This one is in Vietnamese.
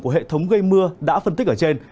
của hệ thống gây mưa đã phân tích ở trên